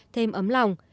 thêm ấm lòng